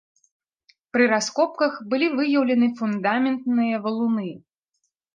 Пры раскопках былі выяўлены фундаментныя валуны.